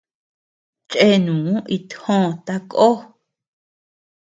Chèènu itjoó takoó.